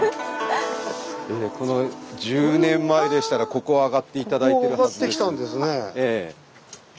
１０年前でしたらここを上がって頂いてるはずです。